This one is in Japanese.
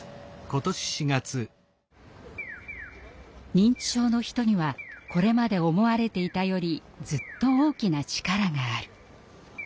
認知症の人にはこれまで思われていたよりずっと大きな力がある。